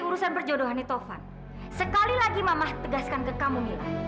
urusan perjodohannya taufan sekali lagi mama tegaskan ke kamu